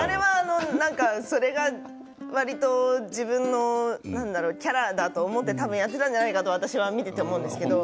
それがわりと自分のキャラだと思ってやっているんじゃないかと私は見ていて思うんですけれども。